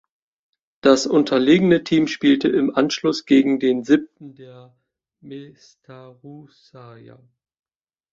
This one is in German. Das unterlegene Team spielte im Anschluss gegen den Siebten der Mestaruussarja.